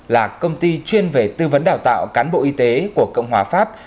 là công ty chuyên về tư vấn đào tạo cán bộ y tế của cộng hòa pháp